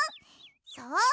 そう！